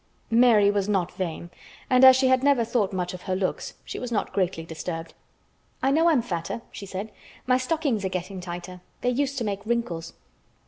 Mary was not vain and as she had never thought much of her looks she was not greatly disturbed. "I know I'm fatter," she said. "My stockings are getting tighter. They used to make wrinkles.